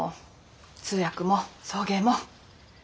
通訳も送迎も。